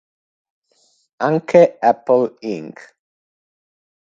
Anche Apple Inc.